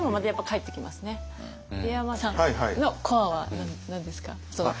入山さんのコアは何ですか？